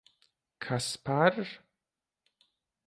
Kas par...